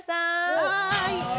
はい！